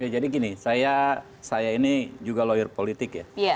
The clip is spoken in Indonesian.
jadi gini saya ini juga lawyer politik ya